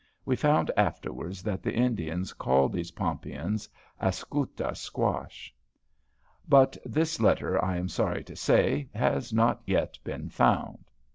We found afterwards that the Indians called these pompions, askuta squash." But this letter, I am sorry to say, has not yet been found.